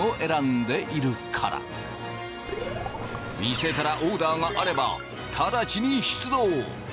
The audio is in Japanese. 店からオーダーがあれば直ちに出動！